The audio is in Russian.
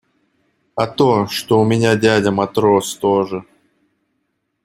А то, что у меня дядя матрос тоже.